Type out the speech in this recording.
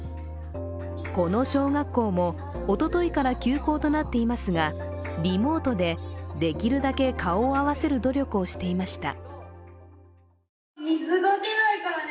この小学校もおとといから休校となっていますがリモートで、できるだけ顔を合わせる努力をしていました。